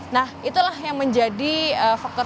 nah itulah yang menjadi faktor